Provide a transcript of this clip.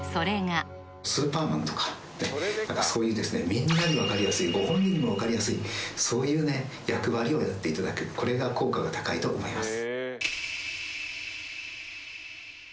みんなに分かりやすいご本人にも分かりやすいそういうね役割をやっていただくこれが効果が高いと思います